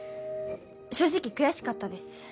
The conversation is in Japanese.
正直悔しかったです。